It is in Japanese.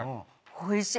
おいしい！